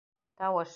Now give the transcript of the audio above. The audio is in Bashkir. Тауыш.